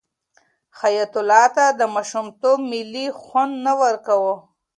حیات الله ته د ماشومتوب مېلې خوند نه ورکاوه.